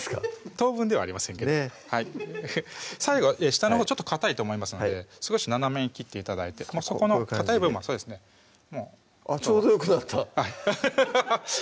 等分ではありませんけどねっ最後下のほうちょっとかたいと思いますので少し斜めに切って頂いてそこのかたい部分はあっちょうどよくなったアハハハハッ